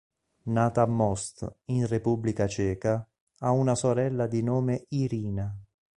Nata a Most, in Repubblica Ceca, ha una sorella di nome Irina.